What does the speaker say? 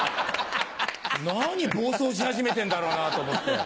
何暴走し始めてんだろうなと思って。